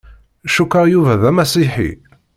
Cukkeɣ Yuba d Amasiḥi.